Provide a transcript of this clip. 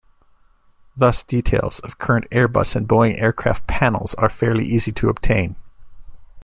Thus details of current Airbus and Boeing aircraft panels are fairly easy to obtain.